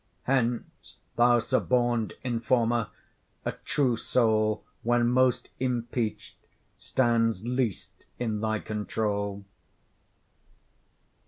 Hence, thou suborned informer! a true soul When most impeach'd, stands least in thy control.